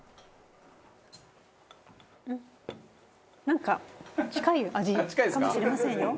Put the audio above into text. なんか近い味かもしれませんよ。